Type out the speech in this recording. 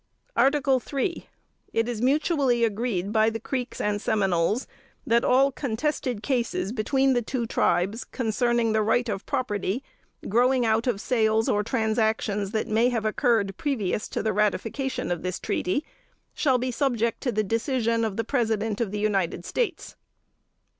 "ART. 3. It is mutually agreed by the Creeks and Seminoles that all contested cases between the two tribes, concerning the right of property growing out of sales or transactions that may have occurred previous to the ratification of this treaty, shall be subject to the decision of the President of the United States."